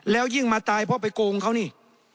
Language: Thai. แล้วยิ่งมาตายเพราะไปโกงเขานี่